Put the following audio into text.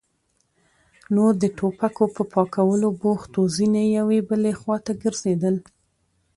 نور د ټوپکو په پاکولو بوخت وو، ځينې يوې بلې خواته ګرځېدل.